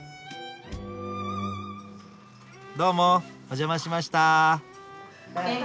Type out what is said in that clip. どうもお邪魔しました。